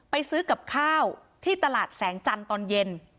ไปซื้อกับข้าวที่ตลาดแสงจันทร์ตอนเย็น